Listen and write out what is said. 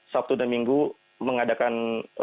sabtu dan minggu mengadakan